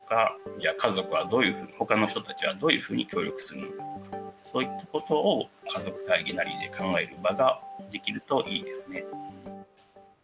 使えるサービスとか家族はどういうふうに他の人たちはどういうふうに協力するのかそういったことを家族会議なりで考える場ができるといいですね。